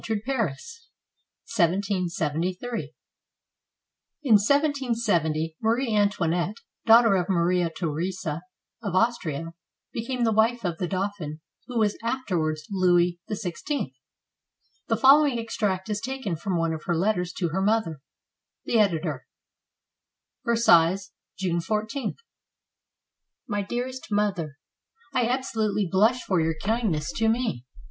WHEN MARIE ANTOINETTE ENTERED PARIS [In 1770, Marie Antoinette, daughter of Maria Theresa of Austria, became the wife of the dauphin who was afterwards Louis XVI. The following extract is taken from one of her letters to her mother. The Editor.] Versailles, June 14. My dearest Mother, — I absolutely blush for your kindness to me.